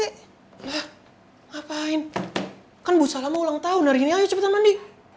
ya ngapain kan bu salam ulang tahun hari ini ayo cepetan mandi